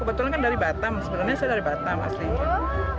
kebetulan kan dari batam sebenarnya saya dari batam aslinya